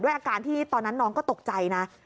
อาการที่ตอนนั้นน้องก็ตกใจนะ